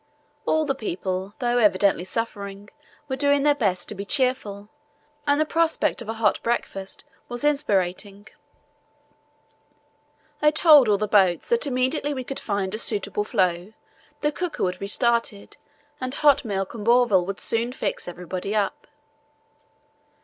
All the people, though evidently suffering, were doing their best to be cheerful, and the prospect of a hot breakfast was inspiriting. I told all the boats that immediately we could find a suitable floe the cooker would be started and hot milk and Bovril would soon fix everybody up.